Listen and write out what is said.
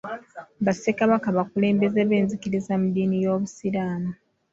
Ba sseeka bakulembeze b'enzikiriza mu dddiini y'obusiraamu.